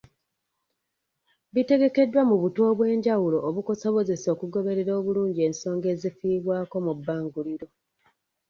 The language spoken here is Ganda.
Bitegekeddwa mu butu obw'enjawulo obukusobozesa okugoberera obulungi ensonga ezifiibwako mu bbanguliro.